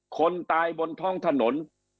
คนตายบนท้องถนน